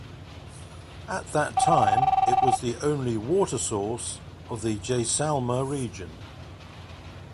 At that time it was the only water source of the Jaisalmer region.